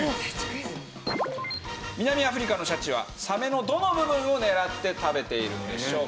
南アフリカのシャチはサメのどの部分を狙って食べているんでしょうか？